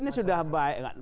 tapi ini sudah baik kan